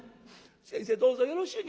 「先生どうぞよろしゅうに」。